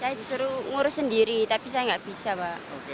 saya disuruh ngurus sendiri tapi saya nggak bisa pak